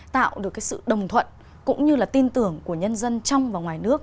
tạo được cái sự đồng thuận cũng như là tin tưởng của nhân dân trong và ngoài nước